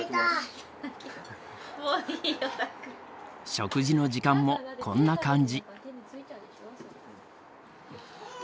食事の時間もこんな感じ。